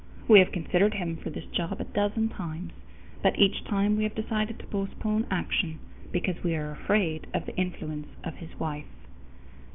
We have considered him for this job a dozen times, but each time we have decided to postpone action, because we are afraid of the influence of his wife.